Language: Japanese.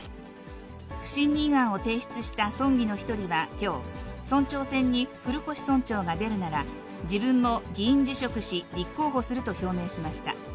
不信任案を提出した村議の一人はきょう、村長選に古越村長が出るなら、自分も議員辞職し、立候補すると表明しました。